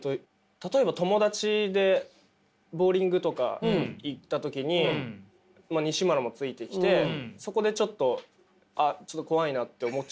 例えば友達でボウリングとか行った時ににしむらもついてきてそこでちょっとアハハハハハ。